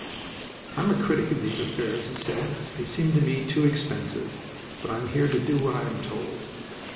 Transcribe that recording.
"I am a critic of these affairs," he said. "They seem to me too expensive. But I'm here to do what I am told."